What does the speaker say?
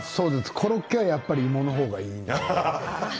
コロッケはやっぱり芋の方がいいな。